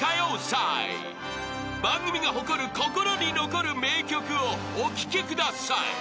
［番組が誇る心に残る名曲をお聴きください］